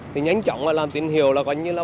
thì nhanh chóng là làm tình hiệu là coi như là